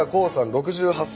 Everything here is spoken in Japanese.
６８歳。